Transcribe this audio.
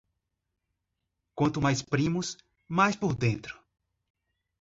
Quanto mais primos, mais por dentro.